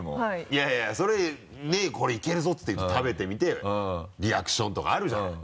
いやいやそれねぇこれいけるぞって食べてみてリアクションとかあるじゃない。